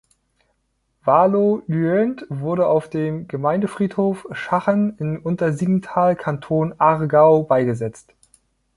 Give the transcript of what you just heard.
Walo Lüönd wurde auf dem Gemeindefriedhof Schachen in Untersiggenthal, Kanton Aargau beigesetzt.